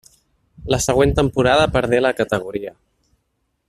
La següent temporada perdé la categoria.